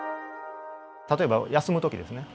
例えば休むときですね。